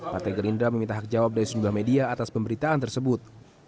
partai gerindra meminta hak jawab dari sejumlah media atas pemberitaan tersebut